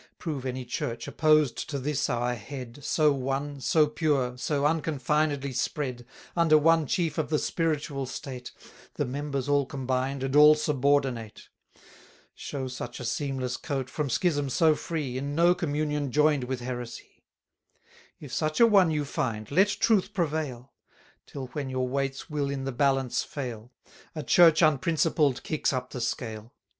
Prove any Church, opposed to this our head, So one, so pure, so unconfinedly spread, Under one chief of the spiritual state, The members all combined, and all subordinate. Show such a seamless coat, from schism so free, 620 In no communion join'd with heresy. If such a one you find, let truth prevail: Till when your weights will in the balance fail: A Church unprincipled kicks up the scale.